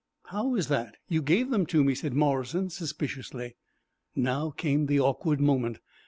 "How is that? You gave them to me," said Morrison, suspiciously. Now came the awkward moment.